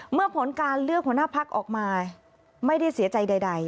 เมื่อผลการเลือกหัวหน้าพักออกมาไม่ได้เสียใจใด